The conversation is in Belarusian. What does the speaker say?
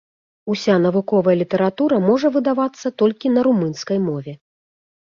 Уся навуковая літаратура можа выдавацца толькі на румынскай мове.